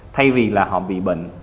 thay vì là họ bị bệnh